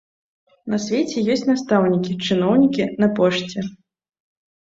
На свеце ёсць настаўнікі, чыноўнікі на пошце.